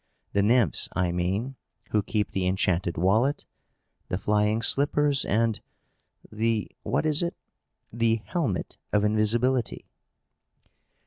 The Nymphs, I mean, who keep the enchanted wallet, the flying slippers, and the what is it? the helmet of invisibility."